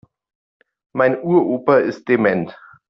Mein Uropa ist dement.